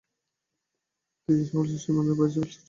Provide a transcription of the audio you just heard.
তিনি বলকে সীমানার বাইরে প্রেরণে জন্য বেশ চেষ্টা চালান।